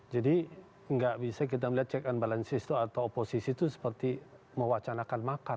jadi nggak bisa kita melihat check and balances itu atau oposisi itu seperti mewacanakan makar